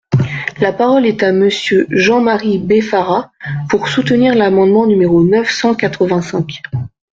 La parole est à Monsieur Jean-Marie Beffara, pour soutenir l’amendement numéro neuf cent quatre-vingt-cinq.